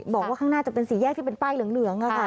บอกว่าข้างหน้าจะเป็นสี่แยกที่เป็นป้ายเหลืองค่ะ